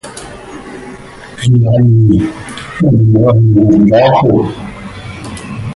هي عيني ودمعها نضاح